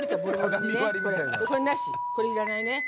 これ、いらないね。